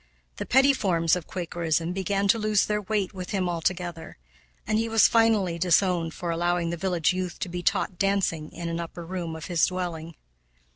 The petty forms of Quakerism began to lose their weight with him altogether, and he was finally disowned for allowing the village youth to be taught dancing in an upper room of his dwelling.